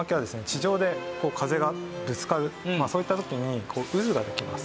地上で風がぶつかるそういった時に渦ができます。